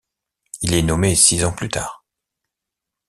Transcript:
Il est nommé six ans plus tard.